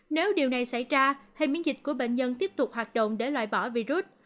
nếu điều này xảy ra hệ miễn dịch của bệnh nhân tiếp tục hoạt động để loại bỏ virus